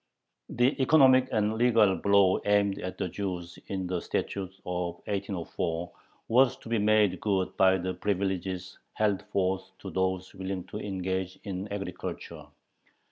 The economic and legal blow aimed at the Jews in the Statute of 1804 was to be made good by the privileges held forth to those willing to engage in agriculture.